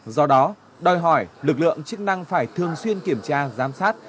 do đó đòi hỏi lực lượng chức năng phải thường xuyên kiểm tra giám sát